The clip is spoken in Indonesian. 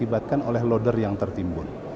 ini juga dibuat oleh loader yang tertimbun